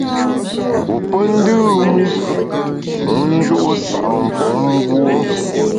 Ngu pe ndùm u, wu nju’ sa’ mfom mbuo.